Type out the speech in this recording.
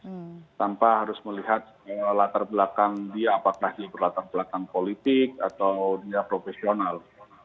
jadi apa harus melihat latar belakang dia apakah di latar belakang politik atau dia profesional